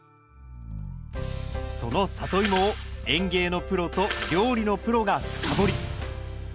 そのサトイモを園芸のプロと料理のプロが深掘り！